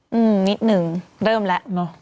หึ้มนิดนึงเริ่มแล้ว